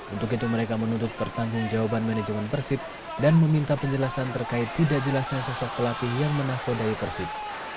untuk itu mereka menuntut pertanggung jawaban manajemen persib dan meminta penjelasan terkait tidak jelasnya sosok pelatih yang menakodai persib